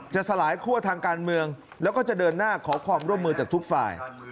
สลายคั่วทางการเมืองแล้วก็จะเดินหน้าขอความร่วมมือจากทุกฝ่าย